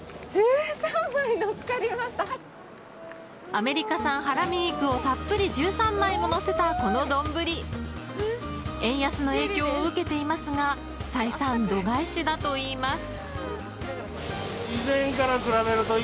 アメリカ産ハラミ肉をたっぷり１３枚ものせたこの丼円安の影響を受けていますが採算度外視だといいます。